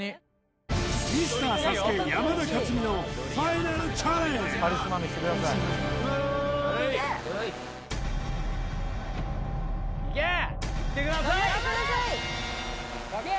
ミスターＳＡＳＵＫＥ山田勝己のファイナルチャレンジいけー！